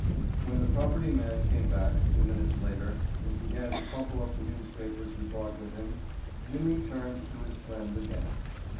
When the property man came back a few minutes later and began to crumple up the newspapers he brought with him, Jimmy turned to his friend again.